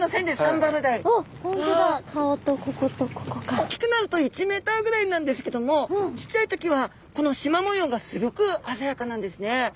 大きくなると１ｍぐらいなんですけどもちっちゃい時はこのしま模様がすギョく鮮やかなんですね。